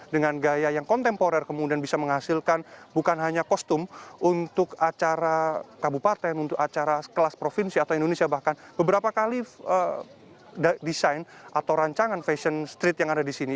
dengan gaya yang kontemporer kemudian bisa menghasilkan bukan hanya kostum untuk acara kabupaten untuk acara kelas provinsi atau indonesia bahkan beberapa kali desain atau rancangan fashion street yang ada di sini